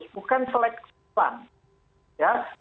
bukan seleksan ya